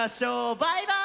バイバーイ！